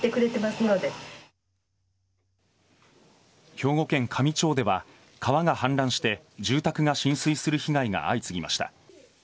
兵庫県香美町では川が氾濫して住宅が浸水する被害が相次ぎました。